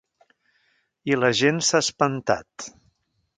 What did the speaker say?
I la gent s’ha espantat.